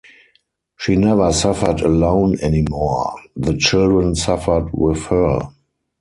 She never suffered alone any more: the children suffered with her.